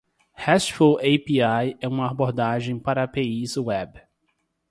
RESTful API é uma abordagem para APIs web.